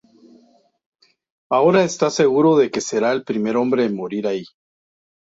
Ahora está seguro de que será el primer hombre en morir allí.